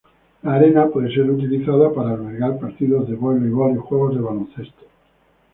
La arena puede ser utilizada para albergar partidos de voleibol y juegos de baloncesto.